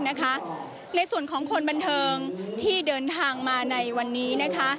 ในส่วนของคนบันเทิงที่เดินทางมาในวันนี้นะคะ